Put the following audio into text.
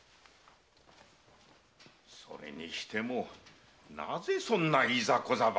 それにしてもなぜそんないざこざばかり。